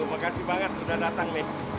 makasih banget sudah datang nih